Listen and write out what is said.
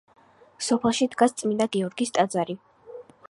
სოფელში დგას წმინდა გიორგის ტაძარი.